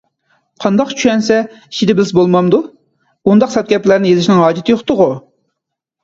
قانداق چۈشەنسە ئىچىدە بىلسە بولمامدۇ؟ ئۇنداق سەت گەپلەرنى يېزىشنىڭ ھاجىتى يوقتىغۇ؟